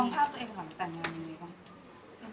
มองภาพตัวเองของตัดงานอย่างไรคะ